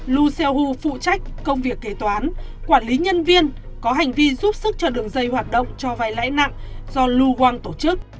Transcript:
lo xeo hu phụ trách công việc kế toán quản lý nhân viên có hành vi giúp sức cho đường dây hoạt động cho vai lãi nặng do lu wang tổ chức